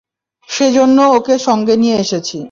সেজন্য ওকে সঙ্গে নিয়ে এসেছি।